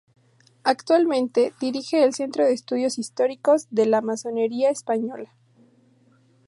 Actualmente dirige el "Centro de Estudios Históricos de la Masonería Española".